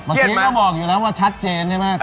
เมื่อกี้ก็บอกอยู่แล้วว่าชัดเจนใช่ไหม